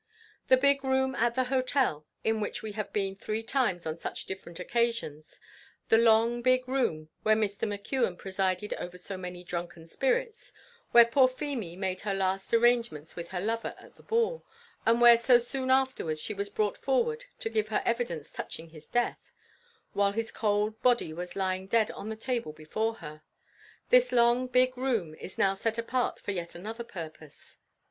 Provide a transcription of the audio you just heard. The big room at the hotel, in which we have been three times on such different occasions, the long big room where McKeon presided over so many drunken spirits where poor Feemy made her last arrangements with her lover at the ball and where so soon afterwards she was brought forward to give her evidence touching his death, while his cold body was lying dead on the table before her, this long big room is now set apart for yet another purpose.